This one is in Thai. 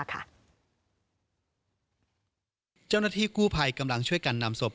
เจ้าหน้าที่กู้ภัยกำลังช่วยกันนำศพ